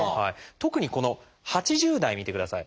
特にこの８０代見てください。